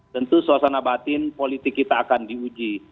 tentu suasana batin politik kita akan diuji